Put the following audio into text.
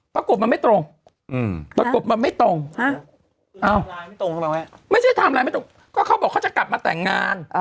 ปรากฏมันไม่ตรงปรากฏมันไม่ตรงใช่ไหมไม่ใช่ทำอะไรไม่ตรงก็เขาบอกเขาจะกลับมาแต่งงาน